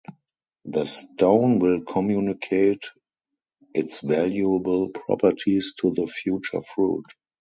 The stone will communicate its valuable properties to the future fruit.